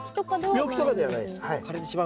病気とかではないですはい。